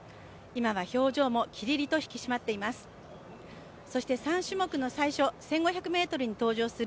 今は表情もキリリと引き締まっています。